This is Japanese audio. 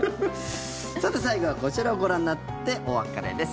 さて最後は、こちらをご覧になってお別れです。